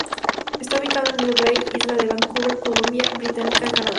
Está ubicado en Mill Bay, Isla de Vancouver, Columbia Británica, Canadá.